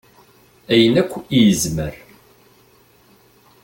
Ayen akk i yezmer.